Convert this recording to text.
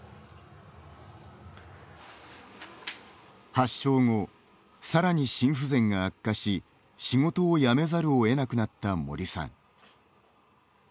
発症後、さらに心不全が悪化し仕事を辞めざるを得なくなった森さん。